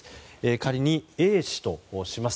仮にＡ氏とします。